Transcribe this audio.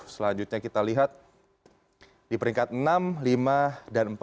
selanjutnya kita lihat di peringkat enam lima dan empat